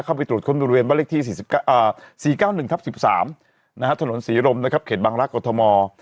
เข้าไปตรวจค้นบริเวณบ้านเลขที่๔๙๑ทับ๑๓ถนนศรีรมนะครับเขตบางรักกรทม